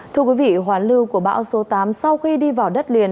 thưa quý vị hoàn lưu của bão số tám sau khi đi vào đất liền